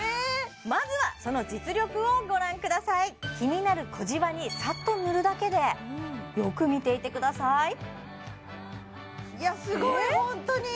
まずはその実力をご覧ください気になる小じわにサッと塗るだけでよく見ていてくださいいやすごいホントに！